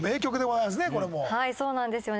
はいそうなんですよね。